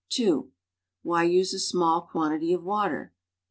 (2) Why use a small quantity of water?